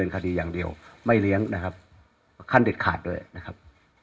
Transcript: คดีอย่างเดียวไม่เลี้ยงนะครับขั้นเด็ดขาดด้วยนะครับ